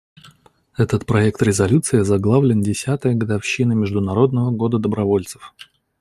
Этот проект резолюции озаглавлен «Десятая годовщина Международного года добровольцев».